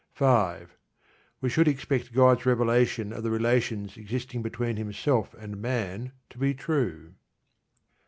5. We should expect God's revelation of the relations existing between Himself and man to be true.